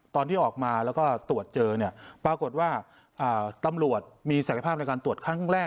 ตอนที่ออกมาแล้วก็ตรวจเจอเนี่ยปรากฏว่าตำรวจมีศักยภาพในการตรวจครั้งแรก